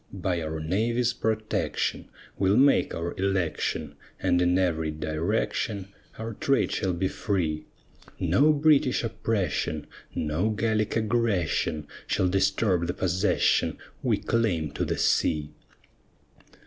By our navy's protection We'll make our election, And in every direction Our trade shall be free; No British oppression, No Gallic aggression Shall disturb the possession We claim to the sea.